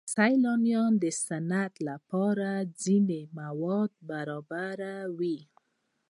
سیلاني ځایونه د صنعت لپاره ځینې مواد برابروي.